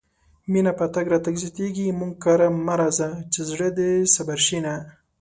مينه په تګ راتګ زياتيږي مونږ کره مه راځه چې زړه دې صبر شينه